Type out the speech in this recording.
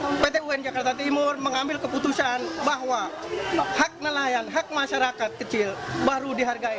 melihat bahwa kita akan menang